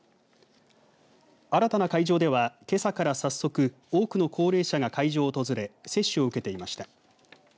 新たな会場では、けさから早速多くの高齢者が会場を訪れ接種を受けていました。